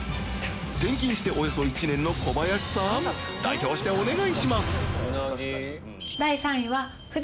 転勤しておよそ１年の小林さん代表してお願いします